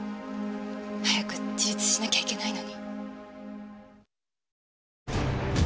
早く自立しなきゃいけないのに。